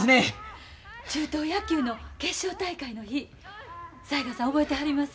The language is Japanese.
中等野球の決勝大会の日雑賀さん覚えてはります？